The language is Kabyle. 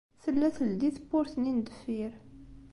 Tella teldi tewwurt-nni n deffir.